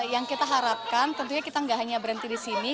yang kita harapkan tentunya kita nggak hanya berhenti di sini